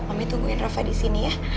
mami tungguin raffa disini ya